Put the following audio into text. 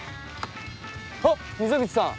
あっ溝口さん！